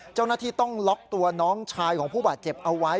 เจ้าหน้าที่ต้องล็อกตัวน้องชายของผู้บาดเจ็บเอาไว้